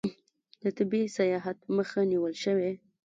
د طبي سیاحت مخه نیول شوې؟